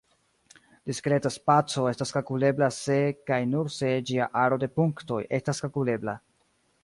Diskreta spaco estas kalkulebla se kaj nur se ĝia aro de punktoj estas kalkulebla.